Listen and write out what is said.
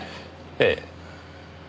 ええ。